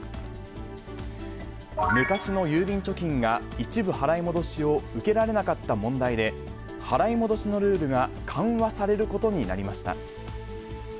昔の郵便貯金が一部払い戻しを受けられなかった問題で、払い戻しのルールが緩和されることになりました。